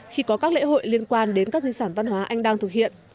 khi có các lễ hội liên quan đến các di sản văn hóa anh đang thực hiện